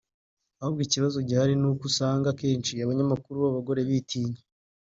Ahubwo ikibazo gihari ni uko usanga akenshi abanyamakuru b’abagore bitinya